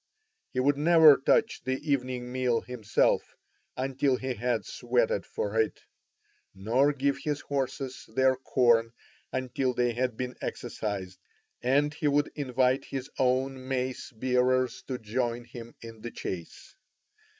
He would never touch the evening meal himself until he had sweated for it, nor give his horses their corn until they had been exercised, and he would invite his own mace bearers to join him in the chase.